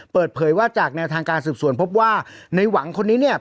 เปิดเผยว่าจากแนวทางการสืบสวนพบว่าในหวังคนนี้เนี่ย